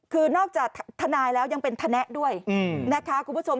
คือนอกจากทนายแล้วยังเป็นธนะด้วยนะคะคุณผู้ชม